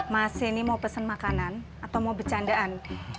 mas ini mau pesen makanan atau mau bercandaan